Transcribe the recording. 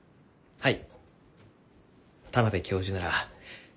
はい。